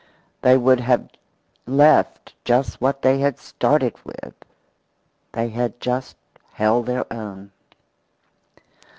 They would have left just what they had started with. They had just held their own.